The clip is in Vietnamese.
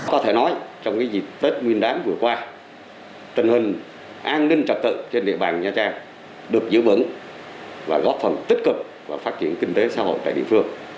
có thể nói trong dịp tết nguyên đáng vừa qua tình hình an ninh trật tự trên địa bàn nha trang được giữ vững và góp phần tích cực vào phát triển kinh tế xã hội tại địa phương